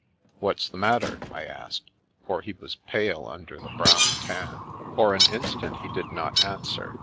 " What's the matter ?" I asked, for he was pale under the brown tan. For an instant he did not answer.